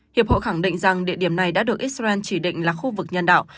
hiệp hội khẳng định rằng địa điểm này đã được israel chỉ định là khu vực nhân đạo